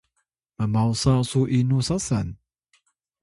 Tali: mmawsa su inu sasan?